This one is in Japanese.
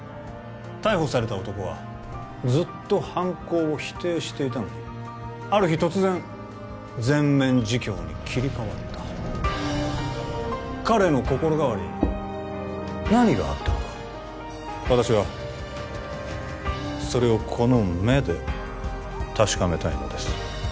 逮捕された男はずっと犯行を否定していたのにある日突然全面自供に切り替わった彼の心変わりに何があったのか私はそれをこの目で確かめたいのです